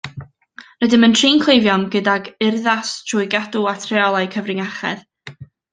Rydym yn trin cleifion gydag urddas trwy gadw at reolau cyfrinachedd